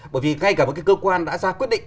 bởi vì ngay cả với cái cơ quan đã ra quyết định